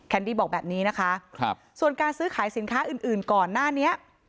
ดี้บอกแบบนี้นะคะส่วนการซื้อขายสินค้าอื่นก่อนหน้านี้